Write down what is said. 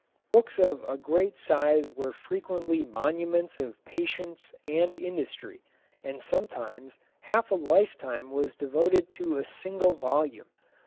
Books of a great size were frequently monuments of patience and industry, and sometimes half a lifetime was devoted to a single volume.